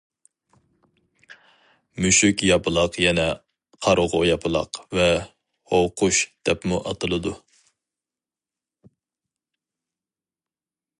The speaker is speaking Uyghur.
مۈشۈكياپىلاق يەنە «قارىغۇ ياپىلاق» ۋە «ھۇۋقۇش» دەپمۇ ئاتىلىدۇ.